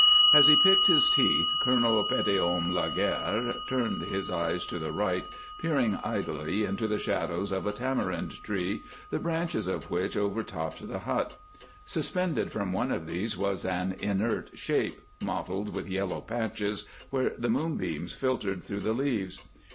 As he picked his teeth, Colonel Petithomme Laguerre turned his eyes to the right, peering idly into the shadows of a tamarind tree, the branches of which overtopped the hut. Suspended from one of these was an inert shape, mottled with yellow patches where the moonbeams filtered through the leaves.